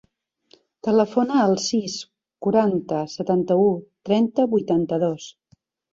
Telefona al sis, quaranta, setanta-u, trenta, vuitanta-dos.